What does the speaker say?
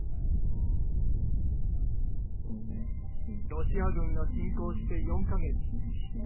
ロシア軍が侵攻して４か月。